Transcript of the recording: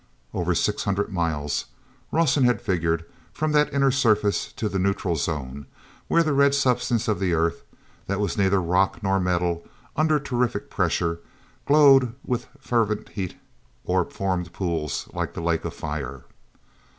Over six hundred miles, Rawson had figured, from that inner surface to the neutral zone where the red substance of the earth, that was neither rock nor metal, under terrific pressures, glowed with fervent heat or formed pools like the Lake of Fire.